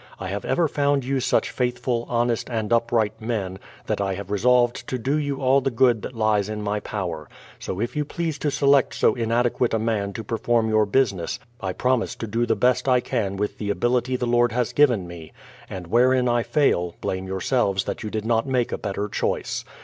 I have ever found you such faithful, honest, and upright men, that I have resolved to do you all the good that lies in my power; so if you please to select so inadequate a man to perform your busi ness, I promise to do the best I can with the ability the Lord has given me; and wherein I fail, blame yourselves that you did not make a better choice.